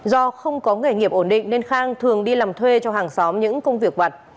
do không có nghề nghiệp ổn định nên khang thường đi làm thuê cho hàng xóm những công việc vặt